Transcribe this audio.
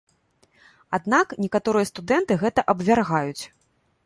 Аднак некаторыя студэнты гэта абвяргаюць.